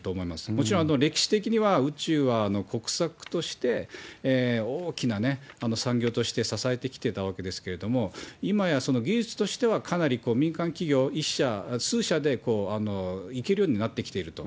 もちろん、歴史的には宇宙は国策として大きな産業として支えてきてたわけですけれども、今や技術としては、かなり民間企業１社、数社でいけるようになってきていると。